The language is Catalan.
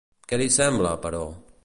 Què li sembla, però?